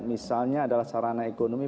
misalnya adalah sarana ekonomi